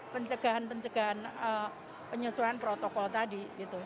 pencegahan pencegahan penyesuaian protokol tadi